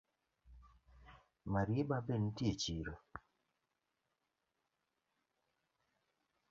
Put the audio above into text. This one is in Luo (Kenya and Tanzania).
Marieba be nitie echiro?